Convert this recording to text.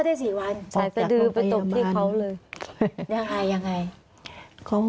ตั้งแต่๔วัน